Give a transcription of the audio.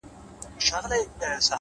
خپل ژوند په ارزښتونو برابر کړئ؛